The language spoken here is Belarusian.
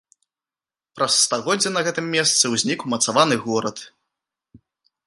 Праз стагоддзе на гэтым месцы ўзнік умацаваны горад.